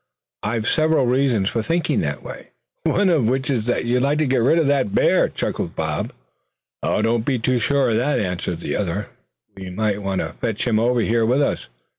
"I've several reasons for thinking that way." "One of which is that you'd like to get rid of that bear," chuckled Bob. "Don't be too sure of that," answered the other; "we might want to fetch him over here with us.